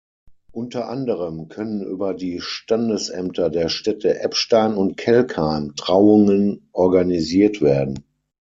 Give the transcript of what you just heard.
Unter anderem können über die Standesämter der Städte Eppstein und Kelkheim Trauungen organisiert werden.